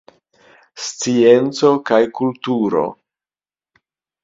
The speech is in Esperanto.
Scienco kaj kulturo.